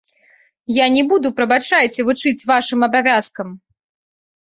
Я не буду, прабачайце, вучыць вашым абавязкам.